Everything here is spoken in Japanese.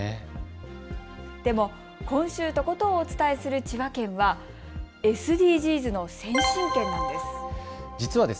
でも今週とことんお伝えする千葉県はＳＤＧｓの先進県なんです。